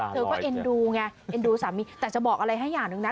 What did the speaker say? เธอก็เอ็นดูไงเอ็นดูสามีแต่จะบอกอะไรให้อย่างหนึ่งนะ